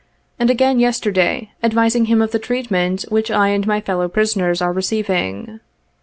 and again yesterday, advising him of the treatment which I and my fellow prisoners are receiving.